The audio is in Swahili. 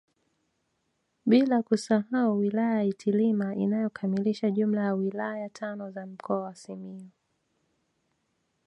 Bila kusahau wilaya ya Itilima inayokamilisha jumla ya wilaya tano za mkoa wa Simiyu